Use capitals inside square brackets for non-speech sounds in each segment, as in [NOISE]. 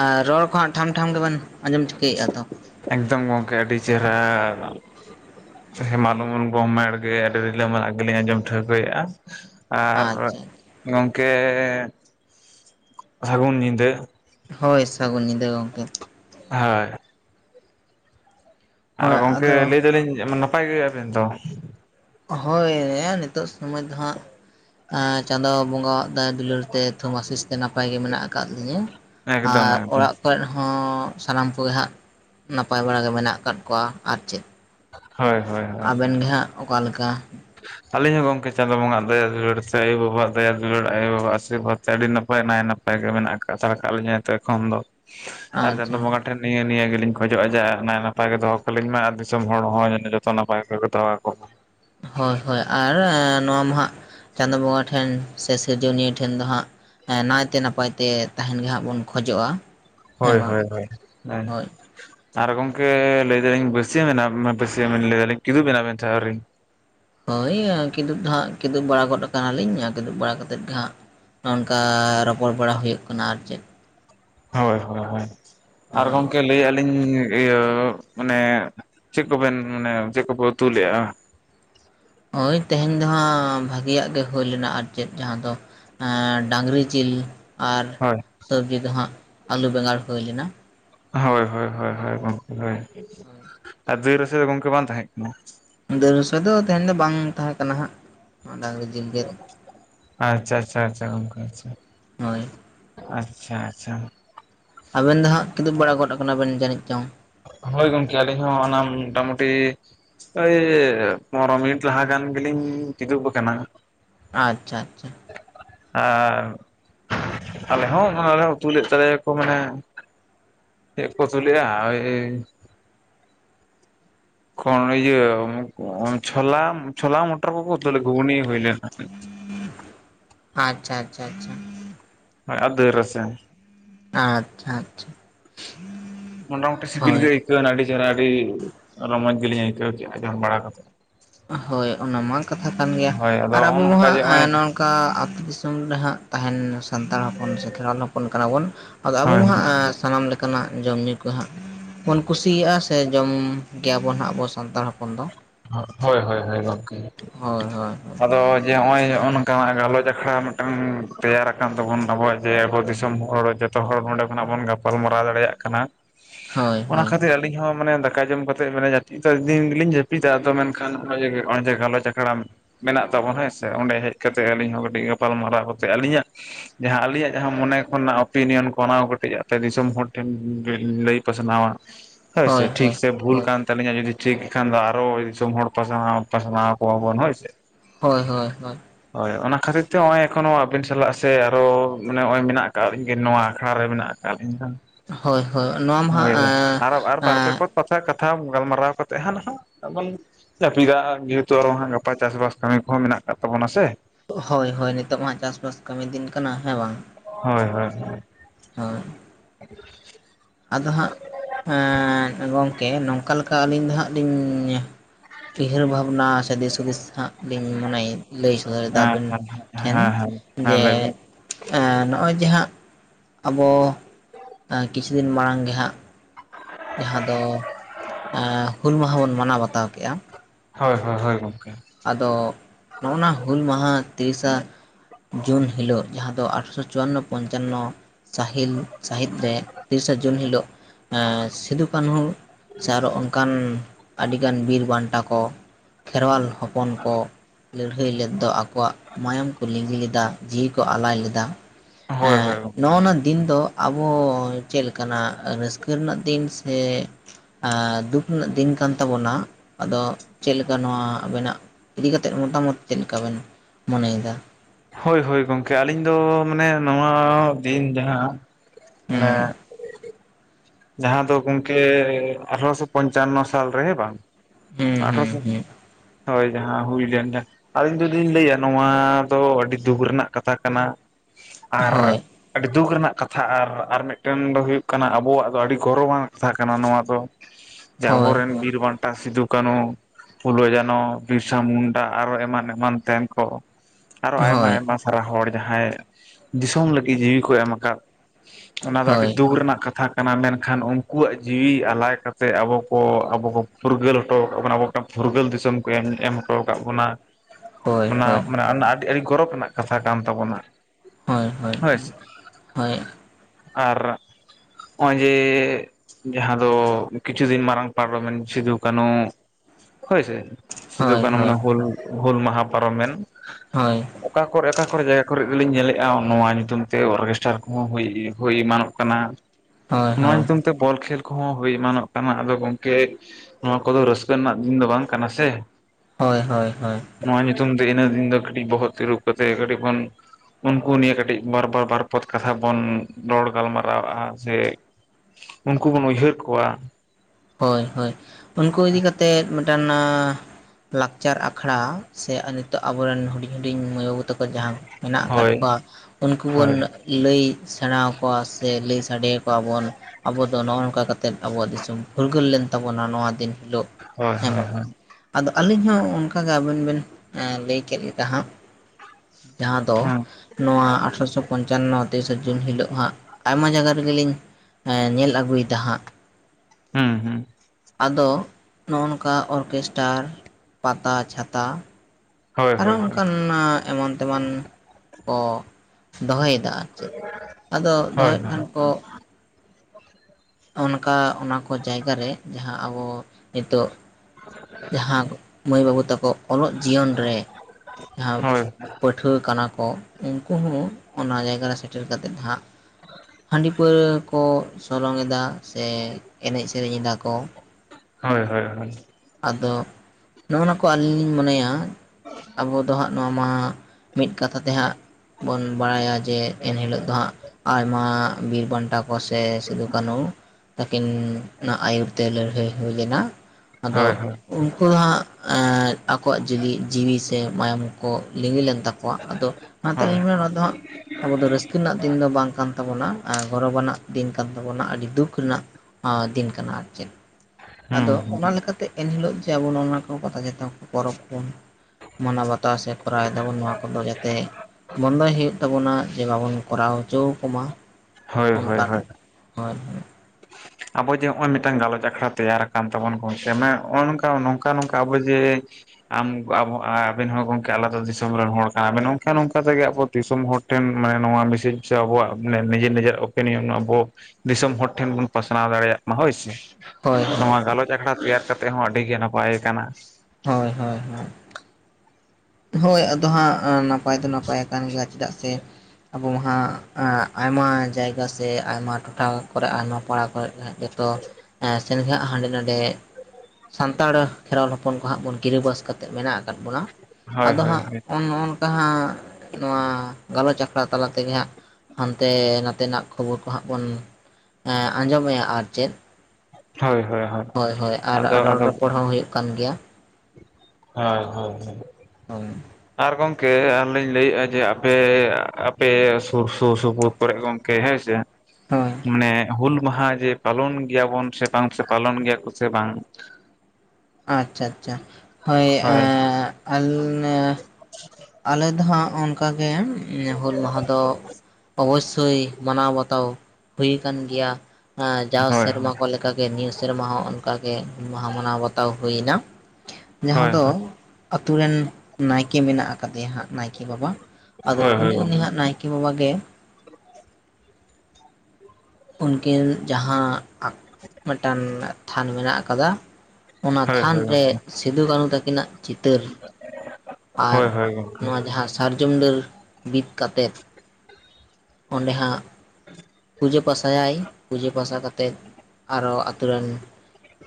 ᱟᱨ ᱨᱚᱲ ᱠᱚᱦᱟᱸᱜ ᱴᱷᱟᱢ ᱴᱷᱟᱢ ᱜᱮᱵᱚᱱ ᱟᱸᱡᱚᱢ ᱴᱷᱤᱠᱟᱹᱭᱮᱫᱼᱟ ᱛᱚ? ᱮᱠᱫᱚᱢ ᱜᱚᱢᱠᱮ ᱟᱹᱰᱤ ᱪᱮᱦᱨᱟ ᱦᱮᱢᱟᱞ ᱩᱢᱩᱞ ᱜᱚᱢᱦᱮᱲ ᱜᱮ ᱟᱹᱰᱤ ᱨᱤᱞᱟᱹᱢᱟᱞᱟᱜ ᱜᱮᱞᱤᱧ ᱟᱸᱡᱚᱢ ᱴᱷᱟᱹᱣᱠᱟᱹ ᱭᱮᱼᱟ ᱾ ᱟᱨ ᱟᱪᱪᱷᱟ ᱜᱚᱝᱠᱮ [INAUDIBLE] ᱥᱟᱹᱜᱩᱱ ᱧᱤᱫᱟᱹ ᱾ ᱦᱳᱭ ᱥᱟᱹᱜᱩᱱ ᱧᱤᱫᱟᱹ ᱜᱚᱝᱠᱮ ᱾ ᱦᱳᱭ ᱟᱨ ᱦᱳᱭ ᱜᱚᱝᱠᱮ ᱟᱫᱚ ᱞᱟᱹᱭ ᱫᱟᱞᱤᱧ ᱱᱟᱯᱟᱭ ᱜᱮᱭᱟ ᱵᱤᱱ ᱛᱚ? ᱦᱳᱭ ᱱᱤᱛᱳᱜ ᱥᱚᱢᱚᱭ ᱫᱚ ᱦᱟᱸᱜ ᱾ ᱪᱟᱸᱫ ᱵᱚᱸᱜᱟᱣᱟᱜ ᱫᱟᱭᱟ ᱫᱩᱞᱟᱹᱲ ᱛᱮ ᱛᱷᱩᱢ ᱟᱥᱤᱡ ᱛᱮ ᱱᱟᱯᱟᱭ ᱜᱮ ᱢᱮᱱᱟᱜ ᱟᱠᱟᱫ ᱞᱤᱧᱟᱹ ᱾ ᱮᱠᱫᱚᱢ ᱟᱨ ᱮᱠᱫᱚᱢ ᱚᱲᱟᱜ ᱠᱚᱨᱮᱜ ᱦᱚᱸ ᱥᱟᱱᱟᱢ ᱠᱚᱜᱮ ᱦᱟᱸᱜ ᱱᱟᱯᱟᱭ ᱵᱟᱲᱟ ᱜᱮ ᱢᱮᱱᱟᱜ ᱟᱠᱟᱫ ᱠᱚᱣᱟ ᱟᱨ ᱪᱮᱫ᱾ ᱦᱳᱭ ᱦᱳᱭ ᱦᱳᱭ ᱟᱵᱮᱱ ᱜᱮ ᱦᱟᱸᱜ ᱚᱠᱟᱞᱮᱠᱟ? ᱟᱹᱞᱤᱧ ᱦᱚᱸ ᱜᱚᱢᱠᱮ ᱪᱟᱸᱫᱳ ᱵᱚᱸᱜᱟᱜ ᱫᱟᱭᱟ ᱫᱩᱞᱟᱹᱲ ᱥᱮ ᱟᱭᱳᱼᱵᱟᱵᱟᱣᱟᱜ ᱫᱟᱭᱟ ᱫᱩᱞᱟᱹᱲ ᱟᱭᱳᱼᱵᱟᱵᱟᱣᱟᱜ ᱟᱥᱤᱨᱵᱟᱫᱽ ᱛᱮ ᱟᱹᱰᱤ ᱱᱟᱯᱟᱭ ᱱᱟᱭ ᱱᱟᱯᱟᱭ ᱱᱟᱯᱟᱭ ᱜᱮ ᱢᱮᱱᱟᱜ ᱟᱠᱟᱫ ᱦᱟᱛᱟᱲ ᱞᱤᱧᱟᱭ ᱮᱠᱷᱚᱱ ᱫᱚ ᱟᱨ ᱟᱪᱪᱷᱟ ᱪᱟᱸᱫᱳ ᱵᱚᱸᱜᱟ ᱴᱷᱮᱱ ᱱᱤᱭᱟᱹ ᱱᱤᱭᱟᱹ ᱜᱮᱞᱤᱧ ᱠᱷᱚᱡᱚᱜᱼᱟ ᱡᱮ ᱱᱟᱭ ᱱᱟᱯᱟᱭ ᱜᱮ ᱫᱚᱦᱚ ᱠᱟᱹᱞᱤᱧ ᱢᱟᱭ ᱟᱨ ᱫᱤᱥᱚᱢ ᱦᱚᱲ ᱦᱚᱸ ᱡᱮᱱ ᱡᱚᱛᱚ ᱱᱟᱯᱟᱭ ᱜᱮ ᱫᱚᱦᱚ ᱠᱟᱠᱚ ᱢᱟ᱾ ᱦᱳᱭ ᱦᱳᱭ ᱟᱨ ᱱᱚᱣᱟ ᱢᱟ ᱦᱟᱸᱜ ᱪᱟᱸᱫᱚ ᱵᱚᱸᱜᱟ ᱴᱷᱮᱱ ᱥᱮ ᱥᱤᱨᱡᱚᱱᱤᱭᱟᱹ ᱴᱷᱮᱱ ᱫᱚ ᱦᱟᱸᱜ ᱱᱟᱭᱛᱮ ᱱᱟᱯᱟᱭ ᱛᱮ ᱛᱟᱦᱮᱱ ᱜᱮ ᱦᱟᱸᱜ ᱵᱚᱱ ᱠᱷᱚᱡᱚᱜ-ᱟ ᱾ ᱦᱳᱭ ᱦᱳᱭ ᱦᱳᱭ ᱾ ᱟᱨ ᱜᱚᱢᱠᱮ ᱞᱟᱹᱭ ᱫᱟᱞᱤᱧ ᱵᱟᱹᱥᱭᱟᱹᱢ ᱵᱟᱹᱥᱭᱟᱹᱢ ᱞᱟᱹᱭ ᱫᱟᱞᱤᱧ ᱠᱤᱫᱩᱵ ᱮᱱᱟ ᱵᱮᱱ ᱥᱮ ᱟᱣᱨᱤ? ᱦᱳᱭ ᱠᱤᱫᱩᱵ ᱫᱚ ᱦᱟᱸᱜ ᱠᱤᱫᱩᱵ ᱵᱟᱲᱟ ᱜᱚᱫ ᱠᱟᱱᱟᱞᱤᱧ ᱟᱨ ᱠᱤᱫᱩᱵ ᱵᱟᱲᱟ ᱠᱟᱛᱮᱫ ᱜᱮ ᱦᱟᱸᱜ ᱱᱚᱝᱠᱟ ᱨᱚᱯᱚᱲ ᱵᱟᱲᱟ ᱦᱩᱭᱩᱜ ᱠᱟᱱᱟ ᱟᱨ ᱪᱮᱫ᱾ ᱦᱳᱭ ᱦᱳᱭ ᱦᱚᱭ ᱟᱨ ᱦᱳᱭ ᱜᱚᱢᱠᱮ ᱞᱟᱹᱭ ᱟᱹᱞᱤᱧ ᱤᱧ ᱤᱭᱟᱹ ᱢᱟᱱᱮ ᱪᱮᱫ ᱠᱚᱵᱮᱱ ᱢᱟᱱᱮ ᱪᱮᱫ ᱠᱚᱞᱮ ᱩᱛᱩ ᱞᱮᱫᱼᱟ? ᱦᱚᱭ ᱛᱮᱦᱮᱧ ᱫᱚ ᱦᱟᱸᱜ ᱵᱷᱟᱹᱜᱤᱭᱟᱜ ᱜᱮ ᱦᱩᱭ ᱞᱮᱱᱟ ᱟᱨ ᱪᱮᱫ ᱡᱟᱦᱟᱸ ᱫᱚ᱾ ᱰᱟᱝᱨᱤ ᱡᱤᱞ ᱟᱨ ᱦᱳᱭ ᱥᱚᱵᱡᱤ ᱫᱚ ᱦᱟᱸᱜ ᱟᱹᱞᱩ ᱵᱮᱸᱜᱟᱲ ᱠᱚ ᱦᱩᱭ ᱞᱮᱱᱟ ᱾ ᱦᱳᱭ ᱦᱳᱭ ᱦᱳᱭ ᱜᱚᱢᱠᱮ ᱦᱚᱭ ᱟᱨ ᱫᱟᱹᱞ ᱨᱟᱥᱮ ᱫᱚ ᱜᱚᱢᱠᱮ ᱵᱟᱝ ᱛᱟᱦᱮᱸ ᱠᱟᱱᱟ? ᱫᱟᱹᱞ ᱨᱟᱥᱮ ᱫᱚ ᱛᱮᱦᱮᱧ ᱫᱚ ᱵᱟᱝ ᱛᱟᱦᱮᱸ ᱠᱟᱱᱟ ᱦᱟᱸᱜ᱾ ᱚᱱᱟ ᱰᱟᱝᱨᱤ ᱡᱤᱞ ᱜᱮ ᱟᱪᱪᱷᱟ ᱟᱪᱪᱷᱟ ᱟᱪᱪᱷᱟ ᱜᱚᱝᱠᱮ ᱟᱪᱪᱷᱟ ᱦᱳᱭ ᱾ ᱟᱪᱪᱷᱟ ᱟᱪᱷᱟ ᱾ ᱟᱵᱮᱱ ᱫᱚ ᱦᱟᱸᱜ ᱠᱤᱫᱩᱵ ᱵᱟᱲᱟ ᱜᱚᱫ ᱠᱟᱱᱟ ᱵᱮᱱ ᱡᱟᱹᱱᱤᱡ ᱪᱚᱝ? ᱦᱳᱭ ᱜᱚᱝᱠᱮ ᱟᱹᱞᱤᱧ ᱦᱚᱸ ᱚᱱᱟ ᱢᱚᱴᱟᱢᱩᱴᱤ ᱳᱭ ᱯᱚᱱᱨᱚ ᱢᱤᱱᱤᱴ ᱞᱟᱦᱟ ᱜᱟᱱ ᱜᱮᱞᱤᱧ ᱠᱤᱫᱩᱵ ᱠᱟᱱᱟ᱾ ᱟᱪᱪᱷᱟ ᱟᱪᱪᱷᱟ᱾ ᱟᱨ ᱟᱞᱮ ᱦᱚᱸ [INAUDIBLE] ᱩᱛᱩ ᱞᱮᱫ ᱛᱟᱞᱮᱭᱟᱠᱚ ᱢᱟᱱᱮ ᱪᱮᱫ ᱠᱚ ᱩᱛᱩ ᱞᱮᱜᱼᱟ ᱚᱭ ᱠᱚ ᱤᱭᱟᱹ ᱪᱳᱷᱞᱟ ᱪᱷᱳᱞᱟ ᱢᱚᱴᱚᱨ ᱠᱚᱠᱚ ᱩᱛᱩ ᱜᱩᱜᱷᱱᱤ ᱦᱩᱭᱞᱮᱱᱟ᱾ ᱟᱪᱪᱷᱟ ᱟᱪᱪᱷᱟ ᱟᱪᱪᱷᱟ ᱾ ᱦᱚᱭ ᱟᱨ ᱫᱟᱹᱞ ᱨᱟᱥᱮ᱾ ᱟᱪᱪᱷᱟ ᱟᱪᱪᱷᱟ᱾ ᱢᱳᱴᱟᱢᱩᱴᱤ ᱥᱤᱵᱤᱞ ᱦᱳᱭ ᱜᱮ ᱟᱹᱭᱠᱟᱹᱣᱱᱟ ᱟᱹᱰᱤ ᱪᱮᱦᱨᱟ ᱟᱹᱰᱤ ᱨᱚᱢᱚᱡᱽ ᱜᱮᱞᱤᱧ ᱟᱹᱭᱠᱟᱹᱣ ᱠᱮᱫᱮᱜᱼᱟ ᱡᱚᱱ ᱵᱟᱲᱟ ᱠᱟᱛᱮᱫ ᱾ ᱦᱳᱭ ᱚᱱᱟ ᱢᱟ ᱠᱟᱛᱷᱟ ᱠᱟᱱ ᱜᱮᱭᱟ ᱦᱳᱭ ᱾ ᱟᱫᱚ ᱟᱨ ᱱᱚᱜᱼᱚ ᱟᱵᱚ ᱢᱟ ᱱᱚᱝᱠᱟ ᱡᱮ ᱱᱚᱜᱼᱚᱭ ᱦᱟᱸᱜ ᱱᱚᱝᱠᱟ ᱟ ᱟᱹᱛᱩ ᱫᱤᱥᱚᱢ ᱨᱮ ᱦᱟᱸᱜ ᱛᱟᱦᱮᱱ ᱥᱟᱱᱛᱟᱲ ᱦᱚᱯᱚᱱ ᱥᱮ ᱠᱷᱮᱨᱣᱟᱞ ᱦᱚᱯᱚᱱ ᱦᱚᱯᱚᱱ ᱠᱟᱱᱟ ᱵᱚᱱ ᱟᱫᱚ ᱟᱵᱚ ᱢᱟ ᱦᱟᱸᱜ ᱥᱟᱱᱟᱢ ᱞᱮᱠᱟ ᱞᱮᱠᱟᱱᱟᱜ ᱡᱚᱢ ᱧᱩ ᱠᱚ ᱦᱟᱸᱜ ᱵᱚᱱ ᱠᱩᱥᱤᱭᱟᱜᱼᱟ ᱥᱮ ᱡᱚᱢ ᱜᱮᱭᱟᱵᱚᱱ ᱦᱟᱸᱜ ᱟᱵᱚ ᱥᱟᱱᱛᱟᱲ ᱦᱚᱯᱚᱱ ᱫᱚ᱾ ᱦᱳᱭ ᱦᱳᱭ ᱦᱳᱭ ᱜᱚᱝᱠᱮ ᱾ ᱦᱳᱭ ᱦᱳᱭ ᱦᱳᱭ᱾ ᱡᱮ ᱱᱚᱜᱼᱚᱭ ᱱᱚᱜᱼᱚ ᱱᱚᱝᱠᱟᱱᱟᱜ ᱜᱟᱞᱚᱪ ᱟᱠᱷᱲᱟ ᱢᱤᱫᱴᱟᱝ ᱛᱮᱭᱟᱨ ᱟᱠᱟᱱ ᱛᱟᱵᱚᱱ ᱟᱵᱚᱣᱟᱜ ᱡᱮ ᱟᱵᱚ ᱫᱤᱥᱚᱢ ᱦᱚᱲ ᱡᱚᱛ ᱡᱚᱛᱚ ᱦᱚᱲ ᱱᱚᱰᱮ ᱠᱷᱚᱱᱟᱜ ᱵᱚᱱ ᱜᱟᱯᱟᱞᱢᱟᱨᱟᱣ ᱫᱟᱲᱮᱭᱟᱜ ᱠᱟᱱᱟ᱾ ᱦᱳᱭ ᱚᱱᱟ ᱦᱳᱭ ᱠᱷᱟᱹᱛᱤᱨ ᱟᱞᱤᱧ ᱦᱚᱸ ᱢᱟᱱᱮ ᱫᱟᱠᱟ ᱡᱚᱢ ᱠᱟᱛᱮ ᱢᱟᱱᱮ ᱡᱟᱹᱯᱤᱫ ᱫᱟ ᱫᱤᱱ ᱜᱮᱞᱤᱧ ᱡᱟᱹᱯᱤᱫ ᱡᱟᱯᱤᱫᱟ ᱟᱫᱚ ᱢᱮᱱᱠᱷᱟᱱ ᱱᱚᱜ ᱱᱚᱜᱼ ᱡᱮ ᱜᱟᱞᱚᱪ ᱟᱠᱷᱲᱟ ᱢᱮᱱᱟᱜ ᱛᱟᱵᱚᱱᱟ ᱦᱮᱸ ᱥᱮ ᱚᱸᱰᱮ ᱦᱮᱡ ᱠᱟᱛᱮᱜ ᱟᱹᱞᱤᱧ ᱦᱚᱸ ᱠᱟᱹᱴᱤᱡ ᱜᱟᱯᱟᱞᱢᱟᱨᱟᱣ ᱠᱟᱛᱮᱫ ᱟᱹᱞᱤᱧᱟᱜ ᱡᱟᱦᱟᱸ ᱟᱹᱞᱤᱧᱟᱜ ᱡᱟᱦᱟᱸ ᱢᱚᱱᱮ ᱠᱷᱚᱱᱟᱜ ᱚᱯᱤᱱᱤᱭᱚᱱ ᱠᱚ ᱚᱱᱟ ᱠᱚ ᱠᱟᱹᱴᱤᱡ ᱟᱯᱮ ᱫᱤᱥᱚᱢ ᱦᱚᱲ ᱴᱷᱮᱱ ᱞᱟᱹᱭ ᱯᱟᱥᱱᱟᱣᱟ᱾ [UNINTELLIGIBLE] ᱦᱳᱭᱥᱮ ᱴᱷᱤᱠ ᱦᱳᱭ ᱥᱮ ᱵᱷᱩᱞ ᱦᱳᱭ ᱠᱟᱱ ᱛᱟᱞᱤᱧᱟ ᱡᱩᱫᱤ ᱴᱷᱤᱠ ᱠᱷᱟᱱ ᱫᱚ ᱟᱨ ᱦᱳᱭ ᱫᱤᱥᱚᱢ ᱦᱚᱲ ᱯᱟᱥᱱᱟᱣ ᱯᱟᱥᱱᱟᱣ ᱠᱚᱣᱟ ᱢᱟ ᱵᱚᱱ ᱦᱳᱭ ᱥᱮ᱾ ᱦᱳᱭ ᱦᱳᱭ ᱦᱳᱭ᱾ ᱦᱳᱭ ᱚᱱᱟ ᱠᱷᱟᱹᱛᱤᱨ ᱛᱮ ᱱᱚᱜᱼᱚᱭ ᱮᱠᱷᱚᱱᱳ ᱟᱹᱵᱤᱱ ᱥᱟᱞᱟᱜ ᱥᱮ ᱟᱨᱚ ᱥᱮ ᱱᱚᱜᱼᱚᱭ ᱢᱮᱱᱟᱜ ᱟᱠᱟᱫ ᱞᱤᱧ ᱱᱚᱣᱟ ᱟᱠᱷᱲᱟ ᱨᱮ ᱢᱮᱱᱟᱜ ᱟᱠᱟ ᱟᱞᱤᱧ ᱥᱟᱝ ᱦᱳᱭ ᱦᱳᱭ ᱱᱚᱣᱟ ᱢᱟ ᱦᱟᱸᱜ ᱟᱨ ᱟᱨ ᱵᱟᱨ ᱯᱮ ᱯᱚᱫ ᱠᱟᱛᱷᱟ ᱠᱟᱛᱷᱟ ᱜᱟᱞᱢᱟᱨᱟᱣ ᱠᱟᱛᱮᱜ ᱦᱟᱜ ᱢᱚᱱ ᱡᱟᱹᱯᱤᱫᱟᱜ ᱡᱮᱦᱮᱛᱩ ᱟᱨᱚ ᱜᱟᱯᱟ ᱪᱟᱥ-ᱵᱟᱥ ᱠᱟᱹᱢᱤ ᱠᱚᱦᱚᱸ ᱢᱮᱱᱟᱜ ᱟᱠᱟᱫ ᱛᱟᱵᱚᱱᱟ ᱥᱮ᱾ ᱦᱳᱭ ᱦᱳᱭ, ᱱᱤᱛᱚᱜ ᱢᱟ ᱪᱟᱥ-ᱵᱟᱥ ᱠᱟᱹᱢᱤ ᱫᱤᱱ ᱠᱟᱱᱟ, ᱦᱮᱸ ᱵᱟᱝ? ᱦᱳᱭ, ᱦᱳᱭ, ᱦᱳᱭ᱾ ᱦᱳᱭ᱾ [INAUDIBLE] ᱟᱫᱚ ᱦᱟᱸᱜ ᱜᱚᱢᱠᱮ ᱱᱚᱝᱠᱟ ᱞᱮᱠᱟ ᱟᱹᱞᱤᱧ ᱫᱚ ᱦᱟᱸᱜ ᱞᱤᱧ ᱩᱭᱦᱟᱹᱨ ᱵᱷᱟᱵᱽᱱᱟ ᱥᱮ ᱫᱤᱥ ᱦᱩᱫᱤᱥ ᱞᱤᱧ ᱢᱚᱱᱮᱭ ᱞᱟᱹᱭ ᱦᱮᱸ ᱥᱚᱫᱚᱨᱮᱫᱟ, ᱟᱵᱮᱱ ᱦᱮᱸ ᱦᱮᱸ ᱴᱷᱮᱱ ᱦᱮᱸ ᱦᱮᱸ ᱡᱮ ᱞᱟᱹᱭ ᱵᱤᱱ ᱱᱚᱜᱼᱚᱭ ᱡᱮ ᱦᱟᱸᱜ ᱟᱵᱚ ᱠᱤᱪᱷᱩ ᱫᱤᱱ ᱢᱟᱲᱟᱝ ᱜᱮ ᱦᱟᱸᱜ ᱡᱟᱦᱟᱸ ᱫᱚ ᱦᱩᱞ ᱢᱟᱦᱟ ᱵᱚᱱ ᱢᱟᱱᱟᱣ ᱵᱟᱛᱟᱣ ᱠᱮᱫᱼᱟ᱾ ᱦᱳᱭ, ᱦᱳᱭ, ᱦᱳᱭ, ᱜᱚᱢᱠᱮ᱾ ᱟᱫᱚ ᱱᱚᱜᱼᱚᱭ ᱱᱟᱣᱟ ᱦᱩᱞ ᱢᱟᱦᱟ ᱛᱤᱥᱟ ᱡᱩᱱ ᱦᱤᱞᱳᱜ, ᱡᱟᱦᱟᱸ ᱫᱚ ᱟᱴᱷᱨᱚᱥᱚ ᱪᱩᱣᱟᱱᱱᱚ ᱯᱚᱧᱪᱟᱱᱱᱚ ᱥᱟᱹᱦᱤᱞ ᱥᱟᱹᱦᱤᱫ ᱨᱮ ᱛᱤᱨᱤᱥᱟ ᱡᱩᱱ ᱦᱤᱞᱳᱜ ᱥᱤᱫᱩ-ᱠᱟᱹᱱᱦᱩ ᱥᱮ ᱟᱨᱚ ᱚᱱᱠᱟᱱ ᱟᱹᱰᱤᱜᱟᱱ ᱵᱤᱨ ᱵᱟᱱᱴᱟ ᱠᱚ, ᱠᱷᱮᱨᱣᱟᱞ ᱦᱚᱯᱚᱱ ᱠᱚ, ᱞᱟᱹᱲᱦᱟᱹᱭ ᱞᱮᱫ ᱫᱚ ᱟᱠᱚ ᱟᱠᱣᱟᱜ ᱢᱟᱭᱟᱢ ᱠᱚ ᱞᱤᱸᱜᱤ ᱞᱮᱫᱟ, ᱡᱤᱣᱤ ᱠᱚ ᱟᱞᱟᱭ ᱞᱮᱫᱟ, ᱦᱳᱭ ᱦᱳᱭ ᱱᱚᱜᱚ ᱱᱚᱣᱟ ᱫᱤᱱ ᱫᱚ ᱟᱵᱚ ᱪᱮᱫ ᱞᱮᱠᱟᱱᱟᱜ, ᱨᱟᱹᱥᱠᱟᱹ ᱨᱮᱱᱟᱜ ᱫᱤᱱ ᱥᱮ ᱫᱩᱠ ᱨᱮᱱᱟᱜ ᱫᱤᱱ ᱠᱟᱱ ᱛᱟᱵᱚᱱᱟ᱾ ᱟᱫᱚ ᱪᱮᱫ ᱞᱮᱠᱟ ᱱᱚᱣᱟ ᱟᱵᱮᱱᱟᱜ ᱤᱫᱤ ᱠᱟᱛᱮᱫ ᱢᱚᱴᱟ ᱢᱩᱴᱤ ᱪᱮᱫ ᱞᱮᱠᱟᱵᱮᱱ ᱢᱚᱱᱮᱭᱮᱫᱟ? ᱦᱳᱭ ᱦᱳᱭ ᱜᱚᱢᱠᱮ, ᱟᱹᱞᱤᱧ ᱫᱚ ᱢᱟᱱᱮ ᱱᱚᱣᱟ ᱫᱤᱱ ᱡᱟᱦᱟᱸ ᱦᱮᱸ ᱢᱟᱱᱮ ᱡᱟᱦᱟᱸ ᱫᱚ ᱜᱚᱝᱠᱮ ᱟᱴᱷᱟᱨᱚᱥᱚ ᱯᱚᱪᱟᱱᱱᱚ ᱥᱟᱞ ᱨᱮ ᱵᱟᱝ ᱦᱩᱸ ᱟᱴᱷᱚᱨ ᱦᱩᱸ ᱥᱚ, ᱦᱩᱸ ᱦᱳᱭ ᱡᱟᱦᱟᱸ ᱦᱩᱭ ᱞᱮᱱ ᱟᱞᱤᱧ ᱡᱩᱫᱤᱧ ᱞᱟᱹᱭᱟ, ᱱᱚᱣᱟ ᱫᱚ ᱟᱹᱰᱤ ᱫᱩᱠ ᱨᱮᱱᱟᱜ ᱠᱟᱛᱷᱟ ᱠᱟᱱᱟ ᱟᱨ ᱦᱳᱭ ᱟᱹᱰᱤ ᱫᱩᱠ ᱨᱮᱱᱟᱜ ᱠᱟᱛᱷᱟ ᱟᱨ ᱟᱨ ᱢᱤᱫᱴᱮᱱ ᱫᱚ ᱦᱩᱭᱩᱜ ᱠᱟᱱᱟ ᱟᱵᱚᱣᱟᱜ ᱫᱚ ᱟᱹᱰᱤ ᱜᱚᱨᱚᱵᱟᱱ ᱠᱟᱛᱷᱟ ᱠᱟᱱᱟ ᱱᱚᱣᱟ ᱫᱚ᱾ [INAUDIBLE] ᱟᱵᱚ ᱨᱮᱱ ᱦᱳᱭ ᱵᱤᱨ ᱵᱟᱱᱴᱟ ᱥᱤᱫᱩ ᱠᱟᱹᱱᱦᱩ, ᱯᱷᱩᱞᱳ-ᱡᱷᱟᱱᱚ, ᱵᱤᱨᱥᱟ ᱢᱩᱱᱰᱟ ᱟᱨᱚ ᱮᱢᱟᱱ ᱮᱢᱟᱱ ᱛᱮᱱ ᱠᱚ᱾ ᱟᱨᱚ ᱦᱳᱭ ᱟᱭᱢᱟ ᱟᱭᱢᱟ ᱥᱟᱨᱦᱟᱹᱣ ᱦᱚᱲ ᱡᱟᱦᱟᱸᱭ ᱫᱤᱥᱚᱢ ᱞᱟᱹᱜᱤᱫ ᱡᱤᱣᱤ ᱠᱚ ᱮᱢ ᱟᱠᱟᱫ ᱚᱱᱟ ᱫᱚ ᱟᱹᱰᱤ ᱦᱳᱭ ᱫᱩᱠᱷ ᱨᱮᱱᱟᱜ ᱠᱟᱛᱷᱟ ᱠᱟᱱᱟ᱾ ᱠᱟᱱᱟ, ᱢᱮᱱᱠᱷᱟᱱ ᱩᱱᱠᱩᱣᱟᱜ ᱡᱤᱣᱤ ᱟᱞᱟᱭ ᱠᱟᱛᱮ ᱟᱵᱚ ᱠᱚ, ᱟᱵᱚ ᱠᱚ, ᱯᱷᱩᱨᱜᱟᱹᱞ ᱦᱚᱴᱚ ᱟᱵᱚ ᱯᱷᱩᱨᱜᱟᱹᱞ ᱫᱤᱥᱚᱢ ᱠᱚ ᱮᱢ ᱮᱢ ᱦᱚᱴᱚ ᱟᱠᱟᱫ ᱵᱚᱱᱟ᱾ ᱦᱳᱭ ᱦᱳᱭ ᱚᱱᱟ ᱟᱱᱮ ᱟᱹᱰᱤ ᱟᱹᱰᱤ ᱜᱚᱨᱚᱵᱽ ᱨᱮᱱᱟᱜ ᱠᱟᱛᱷᱟ ᱠᱟᱱ ᱛᱟᱵᱚᱱᱟ᱾ ᱦᱳᱭ, ᱦᱳᱭ, ᱦᱳᱭ᱾ ᱟᱨ ᱱᱚᱜᱼᱚᱭ ᱡᱮ ᱡᱟᱦᱟᱸ ᱫᱚ ᱠᱤᱪᱷᱩ ᱫᱤᱱ ᱢᱟᱨᱟᱝ ᱯᱟᱨᱚᱢᱮᱱ ᱥᱤᱫᱩ ᱠᱟᱹᱱᱦᱩ, ᱦᱳᱭ ᱥᱮ ᱦᱳᱭ ᱢᱟᱱᱮ ᱦᱳᱭ ᱦᱩᱞ ᱦᱩᱞ ᱢᱟᱦᱟ ᱯᱟᱨᱚᱢ ᱢᱮᱱ ᱦᱳᱭ᱾ ᱚᱠᱟ ᱠᱚᱨᱮ ᱚᱠᱟ ᱠᱚᱨᱮ ᱡᱟᱭᱜᱟ ᱠᱚᱨᱮ ᱜᱮᱞᱤᱧ ᱧᱮᱞᱮᱫᱼᱟ, ᱱᱚᱣᱟ ᱧᱩᱛᱩᱢ ᱛᱮ ᱚᱨᱠᱮᱥᱴᱟᱨ ᱠᱚᱦᱚᱸ ᱦᱩᱭ ᱦᱩᱭ ᱮᱢᱟᱱ ᱠᱟᱱᱟ᱾ ᱦᱳᱭ ᱱᱚᱣᱟ ᱧᱩᱛᱩᱢ ᱛᱮ ᱵᱚᱞ ᱠᱷᱮᱞ ᱠᱚᱦᱚᱸ ᱦᱩᱭ ᱮᱢᱟᱱᱚᱜ ᱠᱟᱱᱟ᱾ ᱟᱫᱚ ᱜᱚᱝᱠᱮ ᱱᱚᱣᱟ ᱠᱚᱫᱚ ᱨᱟᱹᱥᱠᱟᱹ ᱨᱮᱱᱟᱜ ᱫᱤᱱ ᱫᱚ ᱵᱟᱝ ᱠᱟᱱᱟ ᱥᱮ ᱦᱳᱭ ᱦᱳᱭ ᱦᱳᱭ᱾ ᱱᱚᱣᱟ ᱧᱩᱛᱩᱢ ᱛᱮ ᱤᱱᱟᱹ ᱫᱤᱱ ᱫᱚ ᱠᱟᱹᱴᱤᱡ ᱵᱚᱦᱚᱜ ᱛᱤᱨᱩᱯ ᱠᱟᱛᱮᱜ ᱠᱟᱹᱴᱤᱡ ᱵᱚᱱ ᱩᱱᱠᱩ ᱱᱤᱭᱮ ᱠᱟᱹᱴᱤᱡ ᱵᱟᱨ ᱵᱟᱨ ᱵᱟᱨᱯᱚᱛ ᱠᱟᱛᱷᱟ ᱵᱚᱱ ᱨᱚᱲ ᱜᱟᱞᱢᱟᱨᱟᱣᱼᱟ ᱥᱮ᱾ ᱩᱱᱠᱩ ᱵᱚᱱ ᱩᱭᱦᱟᱹᱨ ᱠᱚᱣᱟ᱾ ᱦᱳᱭ ᱦᱳᱭ ᱩᱱᱠᱩ ᱤᱫᱤ ᱠᱟᱛᱮᱫ ᱢᱤᱫᱴᱟᱱ ᱟ᱾ ᱞᱟᱠᱪᱟᱨ ᱟᱠᱷᱲᱟ ᱥᱮ ᱱᱤᱛᱚᱜ ᱟᱵᱚᱨᱮᱱ ᱦᱩᱰᱤᱧ ᱦᱩᱰᱤᱧ ᱢᱟᱹᱭ ᱵᱟᱹᱵᱩ ᱛᱟᱠᱚ ᱡᱟᱦᱟᱸ᱾ ᱢᱮᱱᱟᱜ ᱟᱠᱟᱫ ᱦᱳᱭ ᱠᱚᱣᱟ ᱩᱱᱠᱩ ᱵᱚᱱ ᱦᱳᱭ ᱞᱟᱹᱭ ᱥᱮᱬᱟᱚ ᱟᱠᱣᱟ ᱥᱮ ᱞᱟᱹᱭ᱾ ᱥᱟᱰᱮ ᱟᱠᱚ ᱟᱵᱚᱱ ᱟᱵᱚ ᱫᱚ ᱱᱚᱜᱼᱚ ᱱᱚᱝᱠᱟ ᱠᱟᱛᱮᱫ ᱟᱵᱚᱣᱟᱜ ᱫᱤᱥᱚᱢ ᱯᱷᱩᱨᱜᱟᱹᱞ ᱞᱮᱱ ᱛᱟᱵᱚᱱᱟ ᱱᱚᱣᱟ ᱫᱤᱱ ᱦᱤᱞᱳᱜ᱾ ᱦᱮᱸ ᱵᱟᱝ ᱟᱫᱚ ᱟᱹᱞᱤᱧ ᱦᱚᱸ ᱚᱱᱠᱟᱜᱮ ᱟᱵᱤᱱ ᱵᱮᱤᱱ ᱞᱟᱹᱭ ᱠᱮᱫ ᱞᱮᱠᱟ ᱦᱟᱸᱜ᱾ ᱡᱟᱦᱟᱸ ᱫᱚ ᱱᱚᱣᱟ ᱟᱴᱷᱨᱚᱥᱚ ᱯᱚᱧᱪᱟᱱᱱᱚ ᱛᱮᱤᱥᱮ ᱡᱩᱱ ᱦᱤᱞᱳᱜ ᱦᱟᱸᱜ᱾ ᱟᱭᱢᱟ ᱡᱟᱭᱜᱟ ᱨᱮᱜᱮᱞᱤᱧ ᱧᱮᱞ ᱟᱹᱜᱩᱭᱮᱫᱟ ᱦᱟᱸᱜ᱾ ᱦᱩᱸ ᱦᱩᱸ ᱟᱫᱚ ᱱᱚᱜ ᱱᱚᱝᱠᱟ ᱚᱨᱠᱮᱥᱴᱟᱨ ᱯᱟᱛᱟ ᱪᱷᱟᱛᱟ᱾ ᱟᱨᱦᱚ ᱚᱱᱠᱟᱱ ᱮᱢᱟᱱ ᱛᱮᱢᱟᱱ ᱠᱚ ᱫᱚᱦᱚᱭᱮᱫᱟ᱾ ᱪᱮᱫ ᱟᱫᱚ ᱫᱚᱦᱚᱭᱮᱫ ᱠᱷᱟᱱ ᱠᱚ᱾ ᱚᱱᱠᱟ ᱚᱱᱟ ᱠᱚ ᱡᱟᱭᱜᱟ ᱨᱮ ᱡᱟᱦᱟᱸ ᱟᱵᱚ ᱱᱤᱛᱚᱜ᱾ [UNINTELLIGIBLE] ᱡᱟᱦᱟᱸ ᱢᱟᱹᱭ ᱵᱟᱹᱵᱩ ᱛᱟᱠᱚ ᱚᱞᱚᱜ ᱡᱤᱭᱚᱱ ᱨᱮ ᱡᱟᱦᱟᱸ ᱯᱟᱹᱼᱼ ᱯᱟᱹᱴᱷᱣᱟᱹ ᱠᱟᱱᱟ ᱠᱚ ᱩᱱᱠᱩ ᱦᱚᱸ ᱚᱱᱟ ᱡᱟᱭᱜᱟ ᱨᱮ ᱥᱮᱴᱮᱨ ᱠᱟᱛᱮᱫ ᱦᱟᱸᱜ᱾ ᱦᱟᱺᱰᱤ ᱯᱟᱹᱣᱨᱟᱹ ᱠᱚ ᱥᱚᱞᱚᱝ ᱮᱫᱟ᱾ ᱥᱮ ᱮᱱᱮᱡ ᱥᱮᱨᱮᱧ ᱫᱟᱠᱚ᱾ ᱟᱫᱚ ᱱᱚᱜᱚᱭ ᱱᱚᱣᱟ ᱠᱚ ᱟᱹᱞᱤᱧ ᱞᱤᱧ ᱢᱚᱱᱮᱭᱟ ᱟᱵᱚ ᱫᱚ ᱦᱟᱸᱜ᱾ ᱱᱚᱣᱟ ᱢᱟ ᱢᱤᱫ ᱠᱟᱛᱷᱟ ᱛᱮ ᱦᱟᱸᱜ ᱵᱚᱱ ᱵᱟᱲᱟᱭᱟ ᱡᱮ ᱮᱱᱦᱤᱞᱳᱜ ᱫᱚ ᱦᱟᱸᱜ᱾ ᱟᱭᱢᱟ ᱵᱤᱨ ᱵᱟᱱᱴᱟ ᱠᱚᱥᱮ ᱥᱤᱫᱩ ᱠᱟᱹᱱᱩ᱾ ᱛᱟᱹᱠᱤᱱ ᱟᱹᱭᱩᱨ ᱛᱮ ᱞᱟᱹᱲᱦᱟᱹᱭ ᱦᱩᱭ ᱞᱮᱱᱟ ᱦᱳᱭ ᱦᱳᱭ ᱦᱳᱭ ᱟᱫᱚ᱾ ᱦᱩᱸ ᱩᱱᱠᱩ ᱫᱚ ᱦᱟᱸᱜ ᱟᱠᱚᱣᱟᱜ ᱡᱫᱤ ᱡᱤᱣᱤ ᱥᱮ ᱢᱟᱭᱟᱢ ᱠᱚ ᱞᱤᱸᱜᱤ ᱞᱮᱱ᱾ ᱛᱟᱠᱚᱣᱟ ᱟᱫᱚ ᱚᱱᱟᱛᱮᱞᱤᱧ ᱢᱮ ᱚᱱᱟ ᱫᱚ ᱟᱵᱚ ᱫᱚ ᱨᱟᱹᱥᱠᱟᱹ ᱨᱮᱱᱟᱜ ᱫᱤᱱ ᱫᱚ ᱵᱟᱝ ᱠᱟᱱ᱾ ᱛᱟᱵᱚᱱᱟ ᱟᱨ ᱜᱚᱨᱚᱵᱟᱱᱟᱜ ᱛᱟᱵᱟᱱᱟ ᱟᱨ ᱜᱚᱨᱚᱵᱽ ᱟᱱᱟᱜ ᱫᱤᱱ ᱠᱟᱱ ᱛᱟᱵᱚᱱᱟ ᱟᱹᱰᱤ ᱫᱩᱠᱷᱚ ᱨᱮᱱᱟᱜ᱾ ᱦᱚ ᱸ ᱫᱤᱱ ᱠᱟᱱᱟ ᱟᱨ ᱪᱮᱫ ᱟᱫᱚ ᱦᱩᱸ ᱚᱱᱟ ᱞᱮᱠᱟᱛᱮ᱾ ᱮᱱ ᱦᱤᱞᱳᱜ ᱡᱮ ᱟᱵᱚ ᱱᱚᱣᱟ ᱠᱟᱛᱷᱟ ᱡᱟᱛᱮ ᱯᱚᱨᱚᱵᱽ ᱠᱚ᱾ ᱢᱟᱱᱟᱣ ᱵᱟᱛᱟᱣ ᱥᱮ ᱠᱚᱨᱟᱣ ᱫᱟᱵᱚᱱ ᱱᱚᱣᱟ ᱠᱚᱫᱚ ᱡᱟᱛᱮ᱾ ᱵᱚᱱᱫᱚᱭ ᱦᱳᱭᱳᱜ ᱛᱟᱵᱚᱱᱟ ᱪᱮ ᱵᱟᱵᱚᱱ ᱠᱚᱨᱟᱣ ᱦᱚᱪᱚ᱾ ᱠᱳᱢᱟ ᱦᱳᱭ ᱦᱳᱭ ᱚᱱᱠᱟᱱ ᱦᱳᱭ ᱦᱳᱭ᱾ ᱟᱵᱚ ᱡᱮ ᱱᱚᱜᱼᱚᱭ ᱢᱤᱫᱴᱟᱝ ᱜᱟᱞᱚᱪ ᱟᱠᱷᱲᱟ ᱛᱮᱭᱟᱨ ᱟᱠᱟᱱ ᱛᱟᱵᱚᱱ ᱜᱚᱝᱠᱮ ᱱᱚᱝᱠᱟ ᱱᱚᱝᱠᱟ ᱟᱵᱚ ᱡᱮ᱾ ᱟᱢ ᱟᱵᱮᱱ ᱦᱚᱸ ᱜᱚᱝᱠᱮ ᱟᱞᱟᱫᱟ ᱫᱤᱥᱚᱢ ᱨᱮᱱ ᱦᱚᱲ ᱠᱟᱱᱟᱵᱮᱱ ᱱᱚᱝᱠᱟ ᱱᱚᱝᱠᱟ ᱛᱮᱜᱮ ᱟᱵᱚ ᱫᱤᱥᱚᱢ ᱦᱚᱲ᱾ ᱴᱷᱮᱱ ᱢᱟᱱᱮ ᱱᱚᱣᱟ ᱢᱮᱥᱮᱡ ᱪᱚ ᱟᱵᱚᱣᱟᱜ ᱱᱤᱡᱮᱨ ᱱᱤᱡᱮᱨ ᱳᱯᱤᱱᱤᱭᱚᱱ ᱟᱵᱚ ᱫᱤᱥᱚᱢ ᱦᱚᱲ ᱴᱷᱮᱱ ᱵᱚᱱ᱾ ᱯᱟᱥᱱᱟᱣ ᱫᱟᱲᱮᱭᱟᱜ ᱢᱟ ᱦᱳᱭᱥᱮ ᱦᱳᱭ ᱦᱳᱭ ᱱᱚᱣᱟ ᱜᱟᱞᱚᱪ ᱟᱠᱷᱲᱟ ᱛᱮᱭᱟᱨ ᱠᱟᱛᱮ ᱦᱚᱸ ᱟᱹᱰᱤ ᱜᱮ ᱱᱟᱯᱟᱭ ᱟᱠᱟᱱᱟ᱾ ᱦᱳᱭ ᱦᱳᱭ ᱦᱳᱭ ᱦᱳᱭ ᱟᱫᱚ ᱦᱟᱸᱜ ᱱᱟᱯᱟᱭ ᱫᱚ ᱱᱟᱯᱟᱭ ᱟᱠᱟᱱ ᱜᱮᱭᱟ ᱪᱮᱫᱟᱜ ᱥᱮ᱾ ᱟᱵᱚ ᱢᱟ ᱦᱟᱜ ᱟᱭᱢᱟ ᱡᱟᱭᱜᱟ ᱥᱮ ᱟᱭᱢᱟ ᱴᱚᱴᱷᱟ ᱠᱚᱨᱮ ᱟᱭᱢᱟ ᱯᱟᱲᱟ ᱠᱚᱨᱮ᱾ ᱛᱮᱛᱚ ᱮ ᱥᱮᱱᱜᱟ ᱦᱟᱸᱰᱮ ᱱᱟᱰᱮ ᱥᱟᱱᱛᱟᱲ ᱠᱷᱮᱨᱣᱟᱞ ᱦᱚᱯ᱾ ᱦᱚᱯᱚᱱ ᱠᱚ ᱦᱟᱸᱜ ᱵᱚᱱ ᱜᱤᱨᱟᱹ ᱵᱟᱥ ᱠᱟᱛᱮᱫ ᱢᱮᱱᱟᱜ ᱟᱠᱟᱫ ᱵᱳᱱᱟ᱾ ᱦᱳᱭ ᱟᱫᱚ ᱦᱳᱭ ᱦᱟᱸᱜ ᱦᱳᱭ ᱚᱱ ᱱᱚᱠᱟ ᱦᱟᱸᱜ ᱱᱚᱣᱟ ᱜᱟᱞᱚᱪ ᱟᱠᱷᱲᱟ ᱛᱟᱞᱟ ᱛᱮᱜᱮ ᱦᱟᱸᱜ᱾ ᱦᱟᱱᱛᱮ ᱱᱟᱛᱮᱱᱟᱜ ᱠᱷᱚᱵᱚᱨ ᱠᱚ ᱦᱟᱸᱜ ᱵᱚᱱ ᱟᱸᱡᱚᱢᱮᱭᱟ ᱟᱨ ᱪᱮᱫ᱾ ᱦᱳᱭ ᱦᱳᱭ ᱦᱚ ᱦᱳᱭ ᱦᱳᱭ ᱟᱨ ᱨᱚᱲ ᱨᱚᱯᱚᱲ ᱦᱚᱸ ᱦᱩᱭᱩᱜ ᱠᱟᱱ ᱜᱮᱭᱟ ᱾ ᱦᱳᱭ ᱦᱳᱭ ᱦᱳᱭ ᱦᱳᱭ᱾ ᱟᱨ ᱜᱚᱝᱠᱮ ᱟᱨᱞᱤᱧ ᱞᱟᱹᱭᱮᱫᱼᱟ ᱡᱮ ᱟᱯᱮ ᱟᱯᱮ ᱥᱩᱨ ᱥᱩᱨ ᱥᱩᱯᱩᱨ ᱠᱚᱨᱮᱜ ᱜᱚᱝᱠᱮ ᱦᱮᱸᱭ ᱥᱮ᱾ ᱦᱳᱭ ᱢᱟᱱᱮ ᱦᱩᱞ ᱢᱟᱦᱟ ᱡᱮ ᱯᱟᱞᱚᱱ ᱜᱮᱭᱟᱵᱚᱱ ᱥᱮ ᱵᱟᱝ ᱥᱮ ᱯᱟᱞᱚᱱ ᱜᱮᱭᱟ ᱠᱚ ᱥᱮ ᱵᱟᱝ᱾ ᱟᱪᱪᱷᱟ ᱟᱪᱪᱷᱟ ᱦᱳᱭ [UNINTELLIGIBLE] [INAUDIBLE] ᱟᱞᱮ ᱫᱚ ᱦᱟᱸᱜ ᱚᱱᱠᱟᱜᱮ ᱦᱩᱞ ᱢᱟᱦᱟ ᱫᱚ ᱚᱵᱚᱥᱥᱳᱭ ᱢᱟᱱᱟᱣ ᱵᱟᱛ ᱛᱚ ᱦᱩᱭ ᱟᱠᱟᱱ ᱜᱮᱭᱟ ᱮᱸ ᱡᱟᱣ ᱦᱳᱭ ᱥᱮᱨᱢᱟ ᱠᱚ ᱞᱮᱠᱟ ᱜᱮ ᱱᱤᱭᱟᱹ ᱥᱮᱨᱢᱟ ᱦᱚᱸ ᱚᱱᱠᱟᱜᱮ ᱢᱟᱦᱟ ᱢᱟᱦᱟ ᱢᱟᱱᱟᱣ ᱵᱟᱛᱟᱣ ᱦᱩᱭᱱᱟ᱾ ᱡᱟᱦᱟᱸ ᱦᱳᱭ ᱫᱚ ᱟᱛᱳ ᱨᱮᱱ ᱱᱟᱭᱠᱮ ᱢᱮᱱᱟᱜ ᱟᱠᱟᱫᱮᱭᱟ ᱦᱟᱸᱜ ᱱᱟᱭᱠᱮ ᱵᱟᱵᱟ᱾ ᱟᱫᱚ ᱦᱳᱭ ᱦᱳᱭ ᱩᱱᱤ ᱩᱱᱤ ᱜᱚᱢᱠᱮ ᱦᱟᱸᱜ ᱱᱟᱭ ᱠᱮ ᱵᱟᱵᱟ ᱜᱮ ᱩᱱᱠᱤᱱ ᱡᱟᱦᱟᱸ ᱟ ᱢᱤᱫᱴᱟᱝ ᱛᱷᱟᱱ ᱢᱮᱱᱟᱜ ᱟᱠᱟᱫᱟ᱾ ᱚᱱᱟ ᱦᱳᱭ ᱛᱷᱟᱱ ᱦᱳᱭ ᱨᱮ ᱜᱚᱢᱠᱮ ᱥᱤᱫᱩ ᱠᱟᱹᱱᱩ ᱛᱟᱹᱠᱤᱱᱟᱜ ᱪᱤᱛᱟᱹᱨ ᱟᱨ ᱦᱳᱭ ᱦᱳᱭ ᱜᱚᱢᱠᱮ ᱱᱚᱣᱟ ᱡᱟᱦᱟᱸ ᱟᱨ ᱥᱟᱨᱡᱚᱢ ᱰᱟᱹᱨ ᱵᱤᱫᱽ ᱠᱟᱛᱮᱫ ᱚᱸᱰᱮ ᱦᱟᱸᱜ [INAUDIBLE] ᱯᱩᱡᱟᱹ ᱯᱟᱥᱟᱭᱟᱭᱺ ᱯᱩᱡᱟᱹ ᱯᱟᱥᱟ ᱠᱟᱛᱮᱫ ᱟᱨᱚ ᱟᱛᱳ ᱨᱮᱱ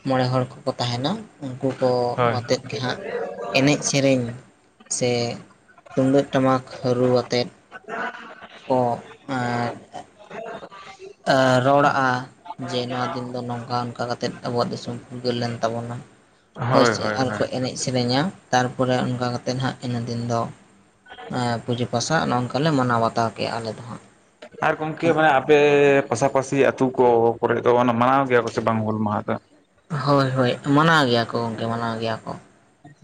ᱢᱚᱬᱮ ᱦᱚᱲ ᱠᱚ ᱠᱚ ᱛᱟᱦᱮᱱᱟ, ᱩᱱᱠᱩ ᱠᱚ ᱦᱳᱭ ᱣᱟᱛᱮᱜ ᱜᱮ ᱦᱟᱸᱜ ᱮᱱᱮᱡ ᱥᱮᱨᱮᱧ ᱥᱮ ᱛᱩᱢᱫᱟᱹᱜ ᱴᱟᱢᱟᱠ ᱨᱩ ᱣᱟᱛᱮᱫ [UNINTELLIGIBLE] ᱠᱚ [INAUDIBLE] ᱟ ᱨᱚᱲᱟᱜ-ᱟ᱾ ᱡᱮ ᱱᱚᱣᱟ ᱫᱤᱱ ᱫᱚ ᱱᱚᱝᱠᱟᱱ ᱠᱟᱛᱟᱛᱮᱫ ᱟᱵᱚᱣᱟᱜ ᱫᱤᱥᱚᱢ ᱯᱷᱩᱨᱜᱟᱹᱞ ᱞᱮᱱ ᱛᱟᱵᱚᱱᱟ᱾ ᱦᱳᱭ ᱥᱮ ᱟᱨᱠᱚ ᱮᱱᱮᱡ ᱥᱮᱨᱮᱧᱟ, ᱛᱟᱨᱯᱚᱨᱮ ᱚᱱᱠᱟ ᱠᱟᱛᱮᱫ ᱦᱟᱸᱜ ᱤᱱᱟᱹ ᱫᱤᱱ ᱫᱚ ᱮᱸ ᱯᱩᱡᱟᱹ ᱯᱟᱥᱟ ᱱᱚᱝᱠᱟᱞᱮ ᱢᱟᱱᱟᱣ ᱵᱟᱛᱟᱣ ᱠᱮᱜᱼᱟ ᱟᱞᱮ ᱫᱚ ᱦᱟᱸᱜ᱾ ᱟᱨ ᱜᱚᱢᱠᱮ ᱢᱟᱱᱮ ᱯᱮ ᱯᱟᱥᱟ-ᱯᱟᱥᱤ ᱟᱛᱩ ᱠᱚ ᱠᱚᱨᱮ ᱫᱚ ᱚᱱᱟ ᱢᱟᱱᱟᱣ ᱜᱮᱭᱟ ᱠᱚ ᱥᱮ ᱵᱟᱝ ᱦᱩᱞ ᱢᱟᱦᱟ ᱫᱚ? ᱦᱳᱭ ᱦᱳᱭ ᱢᱟᱱᱟᱣ ᱜᱮᱭᱟ ᱠᱚ ᱜᱚᱢᱠᱮ ᱢᱟᱱᱟᱣ ᱜᱮᱭᱟ ᱠᱚ᱾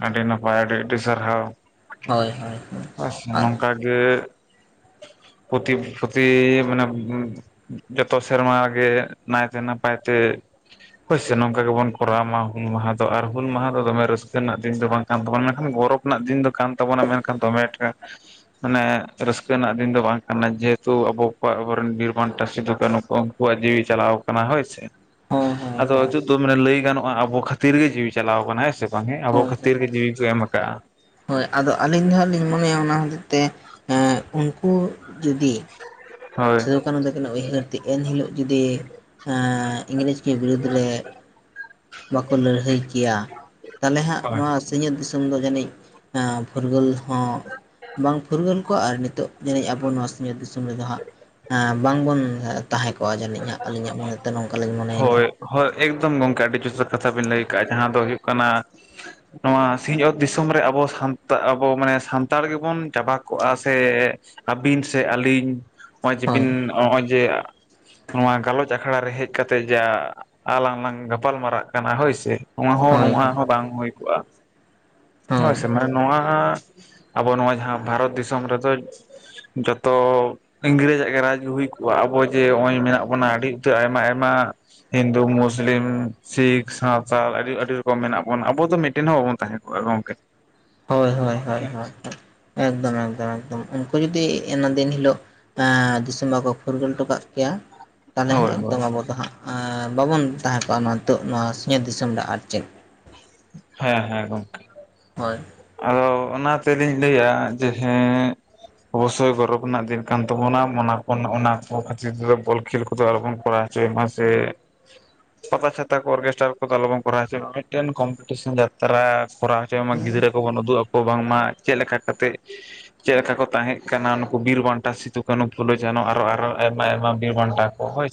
ᱟᱹᱰᱤ ᱱᱟᱯᱟᱭ ᱟᱹᱰᱤ ᱟᱹᱰᱤ ᱥᱟᱨᱦᱟᱣ ᱦᱳᱭ ᱦᱳᱭ ᱦᱳᱭ ᱦᱳᱭᱥᱮ ᱟᱨ ᱱᱚᱝᱠᱟ ᱜᱮ ᱯᱚᱛᱤ ᱯᱚᱛᱤ ᱢᱟᱱᱮ ᱡᱚᱛᱚ ᱥᱮᱨᱢ ᱜᱮ ᱱᱟᱭᱛᱮ ᱱᱟᱯᱟᱭ ᱛᱮ ᱦᱳᱭ ᱥᱮ ᱱᱚᱝᱠᱟ ᱜᱮᱵᱚᱱ ᱠᱚᱨᱟᱣ ᱢᱟ ᱦᱩᱞ ᱢᱟᱦᱟ᱾ ᱫᱚ ᱟᱨ ᱦᱩᱞ ᱢᱟᱦᱟ ᱫᱚᱢᱮ ᱨᱟᱹᱥᱠᱟᱹ ᱨᱮᱱᱟᱜ ᱫᱤᱱ ᱫᱚ ᱵᱟᱝ ᱠᱟᱱ ᱛᱟᱵᱚᱱᱟ᱾ ᱢᱮᱱᱠᱷᱟᱱ ᱜᱚᱨᱚᱵᱽ ᱨᱮᱱᱟᱜ ᱫᱤᱱ ᱫᱚ ᱠᱟᱱ ᱛᱟᱵᱚᱱᱟ, ᱢᱮᱱᱠᱷᱟᱱ ᱫᱚᱢᱮ ᱮᱴᱟ ᱢᱟᱱᱮ ᱨᱟᱹᱥᱠᱟᱹ ᱨᱮᱱᱟᱜ ᱫᱤᱱ ᱫᱚ ᱵᱟᱝ ᱠᱟᱱᱟ ᱡᱮᱦᱮᱛᱩ ᱟᱵᱚ ᱠᱚᱣᱟᱜ ᱟᱵᱚᱨᱮᱱ ᱵᱤᱨ ᱵᱟᱱᱴᱟ ᱥᱤᱫᱩ ᱠᱟᱹᱱᱦᱩ ᱠᱚ ᱟᱠᱣᱟᱜ ᱡᱤᱣᱤ ᱪᱟᱞᱟᱣ ᱠᱟᱱᱟ ᱦᱳᱭ ᱥᱮ᱾ ᱦᱳᱭ ᱦᱳᱭ ᱟᱫᱚ ᱦᱳᱭ ᱦᱤᱛᱚᱜ ᱫᱚ ᱢᱟᱱᱮ ᱞᱟᱹᱭ ᱜᱟᱱᱚᱜᱼᱟ ᱟᱵᱚ ᱠᱷᱟᱹᱛᱤᱨ ᱜᱮ ᱡᱤᱣᱤ ᱪᱟᱞᱟᱣ ᱠᱟᱱᱟ ᱦᱳᱭ ᱥᱮ᱾ ᱢᱟᱱᱮ ᱟᱵᱚ ᱦᱳᱭ ᱠᱷᱟᱹᱛᱤᱨ ᱜᱮ ᱡᱤᱣᱤ ᱠᱚ ᱮᱢ ᱠᱟᱜᱼᱟ᱾ ᱦᱳᱭ ᱟᱫᱚ ᱟᱹᱞᱤᱧ ᱫᱚ ᱦᱟᱸᱜ ᱞᱤᱧ ᱢᱚᱱᱮᱭᱟ ᱚᱱᱟ ᱦᱚᱛᱮᱡ ᱛᱮ ᱮᱸᱜ ᱩᱱᱠᱩ ᱡᱩᱫᱤ ᱦᱳᱭ᱾ ᱠᱟᱱᱩ ᱛᱟᱠᱤᱱᱥᱜ ᱦᱩᱭᱦᱟᱹᱨ ᱛᱮ ᱮᱱᱦᱤᱞᱳᱜ ᱡᱩᱫᱤ ᱮᱸ ᱤᱝᱨᱮᱡᱽ ᱠᱤ ᱵᱤᱨᱩᱫᱽ ᱨᱮ ᱵᱟᱠᱚ ᱞᱟᱹᱲᱦᱟᱹᱭ ᱠᱮᱭᱟ ᱛᱟᱦᱚᱞᱮ ᱦᱟᱸᱜ ᱦᱳᱭ ᱱᱚᱣᱟ ᱥᱤᱸᱧᱚᱛ ᱫᱤᱥᱚᱢ ᱫᱚ ᱡᱟᱹᱱᱤᱡ ᱮᱸ ᱯᱷᱩᱨᱜᱟᱹᱞ ᱦᱚᱸ ᱵᱟᱝ ᱯᱷᱩᱨᱜᱟᱹᱞ ᱠᱚᱜᱼᱟ ᱟᱨ ᱱᱤᱛᱚᱜ ᱡᱟᱹᱱᱤᱡ ᱟᱵᱚ ᱱᱚᱣᱟ ᱥᱤᱸᱧᱚᱛ ᱫᱤᱥᱚᱢ ᱨᱮᱫᱚ ᱦᱟᱸᱜ ᱮᱹ ᱵᱟᱝᱵᱚᱱ ᱛᱟᱦᱮᱸ ᱠᱚᱜᱼᱟ ᱡᱟᱹᱱᱤᱡ ᱦᱟᱜ ᱟᱹᱞᱤᱧᱟᱜ ᱢᱚᱱᱮᱛᱮᱫᱚ ᱱᱚᱝᱠᱟᱞᱤᱧ ᱢᱚᱱᱮᱭᱮᱫᱟ᱾ ᱦᱳᱭ ᱦᱳᱭ ᱮᱠᱫᱚᱢ ᱜᱚᱝᱠᱮ ᱟᱹᱰᱤ ᱡᱚᱛᱷᱟᱛ ᱠᱟᱛᱷᱟ ᱵᱤᱱ ᱞᱟᱹᱭ ᱠᱟᱜᱼᱟ ᱡᱟᱦᱟᱸ ᱫᱚ ᱦᱩᱭᱩᱜ ᱠᱟᱱᱟᱼᱼ ᱱᱚᱣᱟ ᱥᱤᱸᱧᱚᱛ ᱫᱤᱥᱚᱢ ᱨᱮ ᱟᱵᱚ ᱥᱟᱱᱛᱟ ᱟᱵᱚ ᱢᱟᱱᱮ ᱥᱟᱱᱛᱟᱲ ᱜᱮᱵᱚᱱ ᱪᱟᱵᱟ ᱠᱚᱜᱼᱟ ᱥᱮᱼᱼ ᱟᱹᱵᱤᱱ ᱥᱮ ᱟᱹᱞᱤᱧ ᱱᱚᱜᱼᱚᱭ ᱡᱮ ᱵᱤᱱ ᱱᱚᱜᱼᱚᱭ ᱡᱮᱼᱼ ᱱᱚᱣᱟ ᱜᱟᱞᱚᱪ ᱟᱠᱷᱲᱟ ᱨᱮ ᱦᱮᱡ ᱠᱟᱛᱮᱜ ᱡᱟ ᱟᱞᱟᱝ ᱞᱟᱝ ᱜᱟᱯᱟᱞ ᱢᱟᱨᱟᱜ ᱠᱟᱱᱟ ᱦᱳᱭ ᱥᱮ᱾ ᱱᱚᱣᱟ ᱦᱚᱸ ᱱᱚᱣᱟ ᱦᱚᱸ ᱵᱟᱝ ᱦᱩᱭ ᱠᱚᱜᱼᱟ ᱦᱳᱭ ᱥᱮ ᱢᱟᱱᱮ ᱱᱚᱣᱟᱼᱼ ᱟᱵᱚ ᱱᱚᱣᱟ ᱡᱟᱦᱟᱸ ᱵᱷᱟᱨᱚᱛ ᱫᱤᱥᱚᱢ ᱨᱮᱫᱚᱼᱼ ᱡᱚᱛᱚ ᱤᱝᱨᱮᱡ ᱟᱜ ᱜᱮ ᱨᱟᱡᱽ ᱦᱩᱭ ᱠᱚᱜᱼᱟ ᱟᱵᱚᱼᱼ ᱡᱮ ᱱᱚᱜ ᱚᱭ ᱢᱮᱱᱟᱜ ᱵᱚᱱᱟ ᱟᱹᱰᱤ ᱩᱛᱟᱹᱨ ᱟᱭᱢᱟ ᱟᱭᱢᱟ ᱦᱤᱱᱫᱩ ᱢᱩᱥᱞᱤᱢ, ᱥᱤᱠᱷ ᱥᱟᱶᱛᱟᱞ ᱟᱹᱰᱤ ᱟᱹᱰᱤ ᱨᱚᱠᱚᱢ ᱢᱮᱱᱟᱜ ᱵᱚᱱᱟ ᱟᱵᱚ ᱫᱚ ᱢᱤᱫᱽᱴᱮᱱ ᱦᱚᱸ ᱵᱟᱵᱚᱱ ᱛᱟᱦᱮᱸ ᱠᱚᱜᱼᱟ ᱜᱚᱝᱠᱮ᱾ ᱦᱳᱭ ᱦᱳᱭ ᱦᱳᱭ ᱦᱳᱭ ᱮᱠᱫᱚᱢ ᱮᱠᱫᱚᱢ ᱮᱠᱫᱚᱢ ᱩᱱᱠᱩ ᱡᱩᱫᱤ ᱮᱱᱟ ᱫᱤᱱ ᱦᱤᱞᱳᱜ᱾ ᱫᱤᱥᱚᱢ ᱵᱟᱠᱚ ᱯᱷᱩᱨᱜᱟᱹᱞ ᱦᱚᱴᱚ ᱠᱟᱜ ᱠᱮᱭᱟᱼᱼ ᱛᱟᱦᱚᱞᱮ ᱦᱮ ᱦᱳᱭ ᱦᱳᱭ ᱮᱠᱫᱚᱢ ᱟᱵᱚ ᱫᱚ ᱦᱟᱸᱜ ᱵᱟᱵᱚᱱ ᱛᱟᱦᱮᱸ ᱠᱚᱜᱼᱟ ᱱᱤᱛᱚᱜ ᱱᱚᱣᱟ ᱥᱤᱧᱚᱛ ᱫᱤᱥᱚᱢ ᱨᱮ ᱟᱨ ᱪᱮᱫ᱾ ᱦᱮᱸ ᱦᱮᱸ ᱜᱚᱝᱠᱮ᱾ ᱦᱳᱭ᱾ ᱟᱫᱚ ᱚᱱᱟᱛᱮᱞᱤᱧ ᱞᱟᱹᱭᱟ ᱡᱮ ᱦᱮᱸᱼᱼ ᱚᱵᱚᱥᱳᱭ ᱜᱚᱨᱚᱵᱽ ᱨᱮᱱᱟᱜ ᱫᱤᱱ ᱠᱟᱱ ᱛᱟᱵᱚᱱᱟ ᱚᱱᱟ ᱚᱱᱟ ᱠᱚ ᱠᱷᱟᱹᱛᱤᱨ ᱛᱮᱫᱚ ᱵᱳᱞ ᱠᱷᱮᱞ ᱠᱚᱫᱚ ᱟᱞᱚᱵᱚᱱ ᱠᱚᱨᱟᱭᱼᱼ ᱦᱚᱪᱚᱭ ᱢᱟ ᱥᱮ, ᱯᱟᱛᱟ ᱪᱷᱟᱛᱟ ᱠᱚ ᱚᱨᱠᱮᱥᱴᱟᱨ ᱠᱚᱫᱚ ᱟᱞᱚᱵᱚᱱ ᱠᱚᱨᱟᱣ ᱦᱚᱪᱚᱭᱼᱢᱟ ᱢᱤᱫᱽᱴᱮᱱ ᱠᱚᱢᱯᱤᱴᱤᱥᱚᱱ ᱡᱟᱛᱼᱼ ᱛᱟᱨᱟ ᱠᱚᱨᱟᱣ ᱦᱚᱪᱚᱭᱼᱢᱟ ᱜᱤᱫᱽᱨᱟᱹ ᱠᱚᱵᱚᱱ ᱩᱫᱩᱜ ᱟᱠᱚᱣᱟ ᱵᱟᱝᱢᱟ ᱪᱮᱫ ᱞᱮᱠᱟ ᱠᱟᱛᱮᱫᱼᱼ ᱪᱮᱫᱽᱞᱮᱠᱟ ᱠᱚ ᱛᱟᱦᱮᱸ ᱠᱟᱱᱟ ᱱᱩᱠᱩ ᱵᱤᱨ ᱵᱟᱱᱴᱟ ᱥᱤᱫᱩ ᱠᱟᱱᱩ ᱯᱷᱩᱞᱳ ᱡᱷᱟᱱᱚ ᱟᱨᱚ ᱟᱨᱚ ᱟᱭᱢᱟ ᱟᱭᱢᱟ ᱵᱤᱨ ᱵᱟᱱᱴᱟ᱾ [INAUDIBLE]